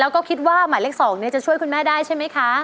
แล้วก็คิดว่าหมายเลข๒จะช่วยคุณแม่ได้ใช่ไหมคะ